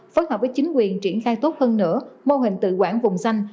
phối hợp với chính quyền triển khai tốt hơn nữa mô hình tự quản vùng xanh